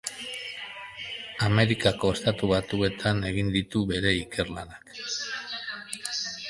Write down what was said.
Amerikako Estatu Batuetan egin ditu bere ikerlanak.